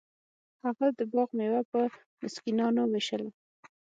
هغه د باغ میوه په مسکینانو ویشله.